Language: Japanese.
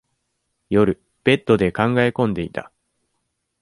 夜、ベッドで考え込んでいた。